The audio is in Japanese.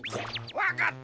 わかった！